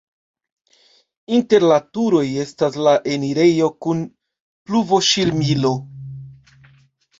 Inter la turoj estas la enirejo kun pluvoŝirmilo.